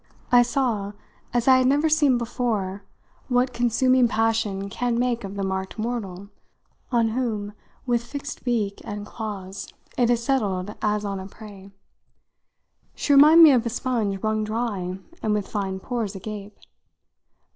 I saw as I had never seen before what consuming passion can make of the marked mortal on whom, with fixed beak and claws, it has settled as on a prey. She reminded me of a sponge wrung dry and with fine pores agape.